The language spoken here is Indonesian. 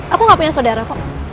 aku gak punya saudara kok